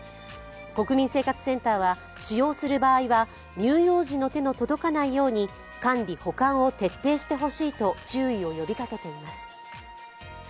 国民生活センターは使用する場合は乳幼児の手の届かないように管理・保管を徹底してほしいと注意を呼びかけています。